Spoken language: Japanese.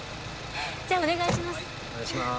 じゃあお願いします。